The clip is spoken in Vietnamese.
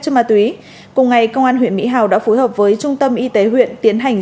chất ma túy cùng ngày công an huyện mỹ hào đã phối hợp với trung tâm y tế huyện tiến hành